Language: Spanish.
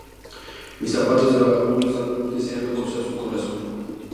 Mis zapatos de vagabundo están deseando cruzar su corazón.